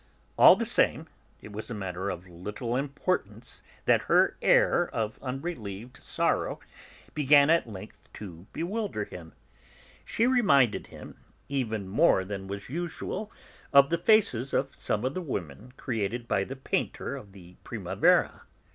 All the same, it was a matter of so little importance that her air of unrelieved sorrow began at length to bewilder him. She reminded him, even more than was usual, of the faces of some of the women created by the painter of the Primavera.'